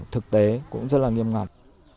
thực tế cũng rất là nghiêm ngặt